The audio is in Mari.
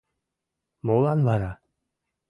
Молан вара.